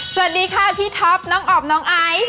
สวัสดีค่ะพี่ท็อปน้องออมน้องไอซ์